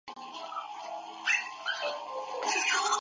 全部内容都在里面了